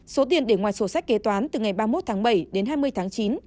số tiền để ngoài sổ sách kế toán từ ngày ba mươi một tháng bảy đến hai mươi tháng chín